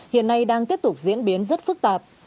hiện nay đang tiếp tục diễn biến rất phức tạp